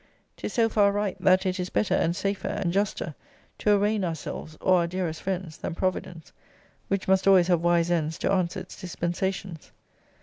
'Tis so far right, that it is better, and safer, and juster, to arraign ourselves, or our dearest friends, than Providence; which must always have wise ends to answer its dispensations.